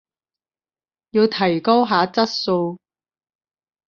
要提高下質素